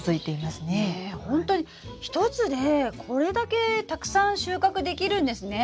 ほんとに１つでこれだけたくさん収穫できるんですね。